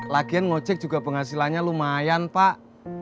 lagian ngocek juga penghasilannya lumayan pak